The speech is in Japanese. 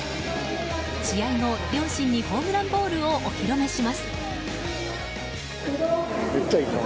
試合後、両親にホームランボールをお披露目します。